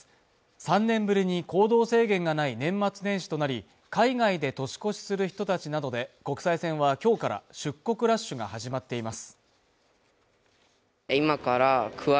３年ぶりに行動制限がない年末年始となり海外で年越しする人たちなどで国際線は今日から出国ラッシュが始まっています